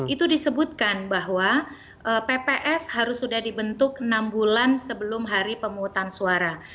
itu disebutkan bahwa pps harus sudah dibentuk enam bulan sebelum hari pemungutan suara